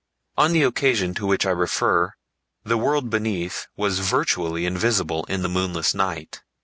On the occasion to which I refer the world beneath was virtually invisible in the moonless night.